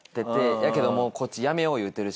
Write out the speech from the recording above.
やけどもうこっち「やめよう」言うてるし。